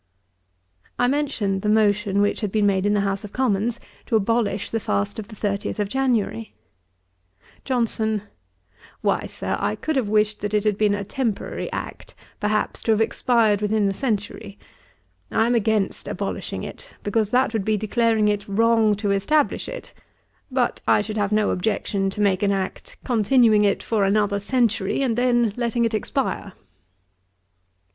I mentioned the motion which had been made in the House of Commons, to abolish the fast of the 30th of January. JOHNSON. 'Why, Sir, I could have wished that it had been a temporary act, perhaps, to have expired with the century. I am against abolishing it; because that would be declaring it wrong to establish it; but I should have no objection to make an act, continuing it for another century, and then letting it expire.'